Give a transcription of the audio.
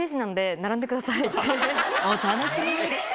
お楽しみに！